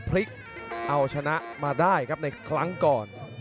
พลิกเอาชนะมาได้ครับในครั้งก่อน